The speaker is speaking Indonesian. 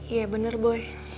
iya bener boy